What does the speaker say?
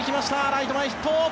ライト前ヒット！